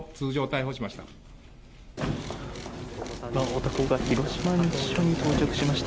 男が今広島西署に到着しました。